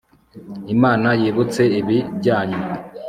imana yibutse ibi byanyu